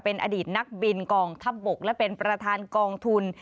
เป็นอดีตนักบินกองทัพบกและเป็นประธานกองทุน